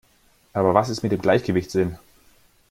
Aber was ist mit dem Gleichgewichtssinn?